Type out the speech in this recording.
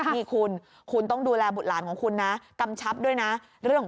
นี่คุณคุณต้องดูแลบุตรหลานของคุณนะกำชับด้วยนะเรื่องของ